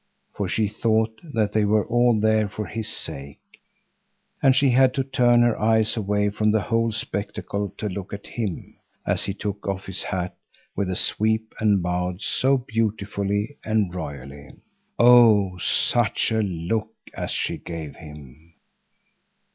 For she thought that they were all there for his sake, and she had to turn her eyes away from the whole spectacle to look at him, as he took off his hat with a sweep and bowed so beautifully and royally. Oh, such a look as she gave him!